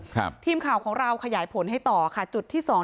ครับทีมข่าวของเราขยายผลให้ต่อค่ะจุดที่สอง